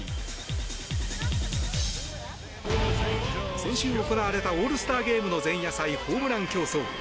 先週行われたオールスターゲームの前夜祭ホームラン競争。